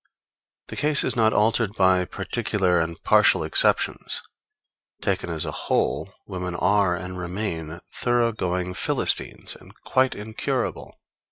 The case is not altered by particular and partial exceptions; taken as a whole, women are, and remain, thorough going Philistines, and quite incurable.